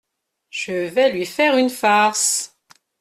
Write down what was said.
Je vais lui faire une farce.